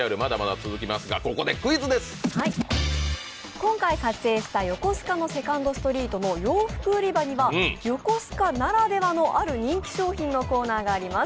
今回撮影した横須賀のセカンドストリートの洋服売り場には横須賀ならではのある人気商品のコーナーがあります。